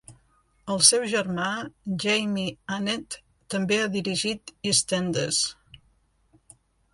El seu germà, Jamie Annett, també ha dirigit "EastEnders".